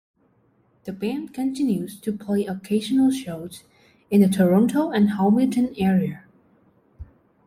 The band continues to play occasional shows in the Toronto and Hamilton area.